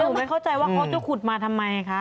ไม่เข้าใจว่าเขาจะขุดมาทำไมคะ